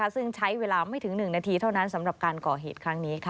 ซึ่งใช้เวลาไม่ถึง๑นาทีเท่านั้นสำหรับการก่อเหตุครั้งนี้